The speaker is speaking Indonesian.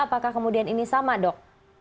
apakah kemudian ini sama dok